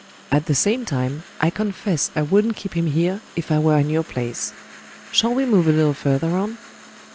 At the same time, I confess I wouldn't keep him here, if I were in your place. Shall we move a little further on?"